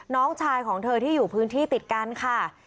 น้องชายของเธอที่อยู่พื้นที่ติดกันค่ะ